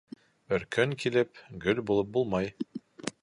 Бер көн килеп гөл булып булмай.